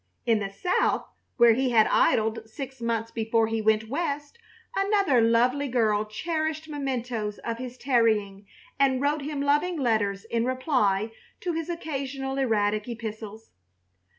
In the South, where he had idled six months before he went West, another lovely girl cherished mementoes of his tarrying and wrote him loving letters in reply to his occasional erratic epistles.